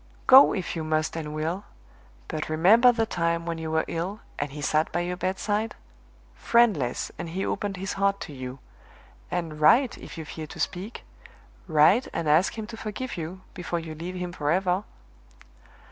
"Go, if you must and will! but remember the time when you were ill, and he sat by your bedside; friendless, and he opened his heart to you and write, if you fear to speak; write and ask him to forgive you, before you leave him forever!"